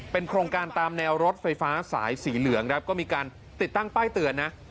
โครงการตามแนวรถไฟฟ้าสายสีเหลืองครับก็มีการติดตั้งป้ายเตือนนะ